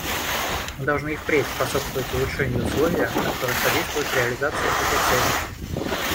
Мы должны и впредь способствовать улучшению условия, которые содействуют реализации этой цели.